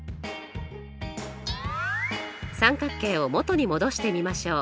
三角形を元に戻してみましょう。